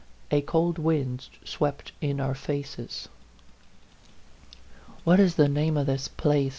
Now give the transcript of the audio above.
A cold wind swept in our faces. " What is the name of this place?"